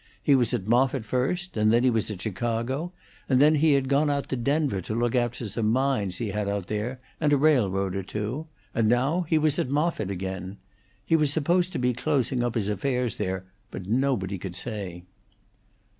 He was at Moffitt first, and then he was at Chicago, and then he had gone out to Denver to look after some mines he had out there, and a railroad or two; and now he was at Moffitt again. He was supposed to be closing up his affairs there, but nobody could say.